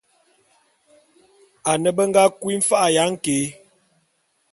Ane be nga kui mfa'a ya nké.